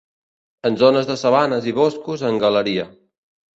En zones de sabanes i boscos en galeria.